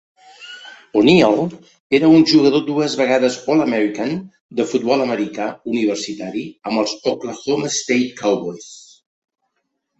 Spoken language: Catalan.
O'Neal era un jugador dues vegades All-American de futbol americà universitari amb els Oklahoma State Cowboys.